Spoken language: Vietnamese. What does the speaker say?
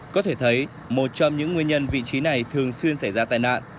có thể thấy một trong những nguyên nhân vị trí này thường xuyên xảy ra tai nạn